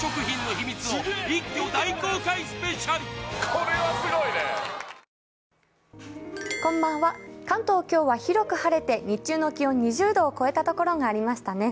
こんばんは、関東、今日は広く晴れて、日中の気温３０度を超えたところがありましたね。